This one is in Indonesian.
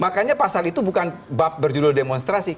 makanya pasal itu bukan bab berjudul demonstrasi